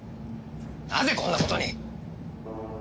なぜこんなことに！